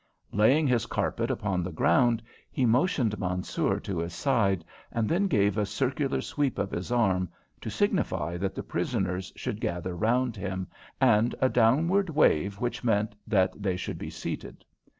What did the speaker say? Laying his carpet upon the ground, he motioned Mansoor to his side, and then gave a circular sweep of his arm to signify that the prisoners should gather round him, and a downward wave which meant that they should be seated.